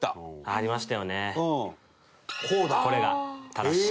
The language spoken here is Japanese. ありましたよね。